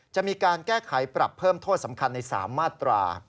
จะมีการแก้ไขปรับเพิ่มโทษสำคัญใน๓มาตรา